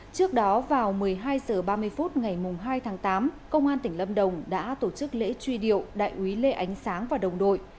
trước đó vào một mươi hai h ba mươi phút ngày hai tháng tám công an tỉnh lâm đồng đã tổ chức lễ truy điệu đại úy lê ánh sáng và đồng đội